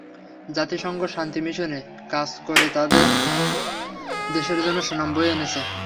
জাতিসংঘ শান্তি মিশনে কাজ করে তাঁরা দেশের জন্য সুনাম বয়ে এনেছেন।